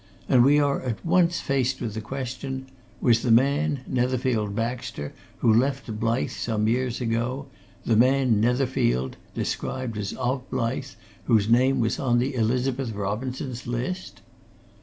And we are at once faced with the question was the man, Netherfield Baxter, who left Blyth some years ago, the man Netherfield, described as of Blyth, whose name was on the Elizabeth Robinson's list?"